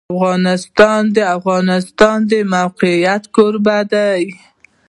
افغانستان د د افغانستان د موقعیت کوربه دی.